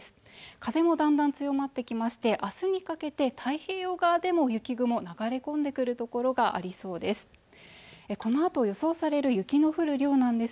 風もだんだん強まってきまして明日にかけて太平洋側でも雪雲が流れ込んでくる所がありそうです